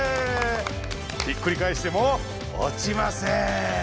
ひっくりかえしても落ちません。